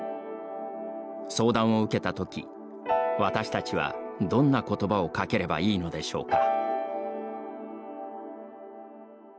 相談を受けたとき私たちはどんなことばをかければいいのでしょうか。